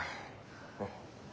うん。